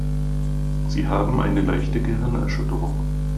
Sie haben eine leichte Gehirnerschütterung.